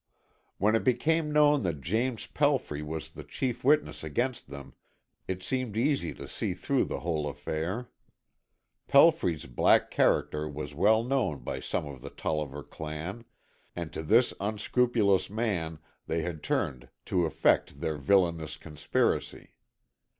When it became known that James Pelfrey was the chief witness against them, it seemed easy to see through the whole affair. Pelfrey's black character was well known by some of the Tolliver clan, and to this unscrupulous man they had turned to effect their villainous conspiracy.